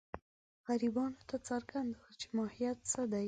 غربیانو ته څرګنده وه چې ماهیت څه دی.